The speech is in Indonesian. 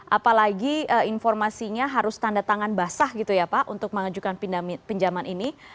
apalagi informasinya harus tanda tangan basah gitu ya pak untuk mengajukan pinjaman ini